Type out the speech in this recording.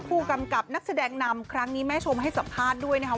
ผู้กำกับนักแสดงนำครั้งนี้แม่ชมให้สัมภาษณ์ด้วยนะครับ